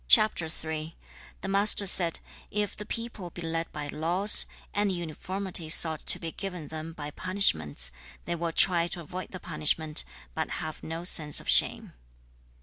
The Master said, 'If the people be led by laws, and uniformity sought to be given them by punishments, they will try to avoid the punishment, but have no sense of shame.